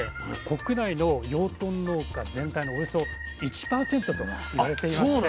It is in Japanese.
国内の養豚農家全体のおよそ１％と言われていまして。